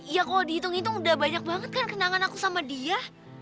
ya kalau dihitung hitung udah banyak banget kan kenangan aku sama dia